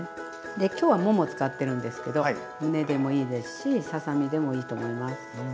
で今日はもも使ってるんですけどむねでもいいですしささみでもいいと思います。